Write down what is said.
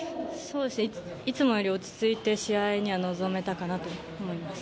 いつもより落ち着いて臨めたかなと思います。